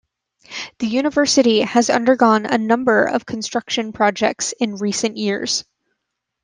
The university has undergone a number of construction projects in recent years.